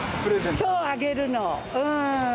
そう、あげるの。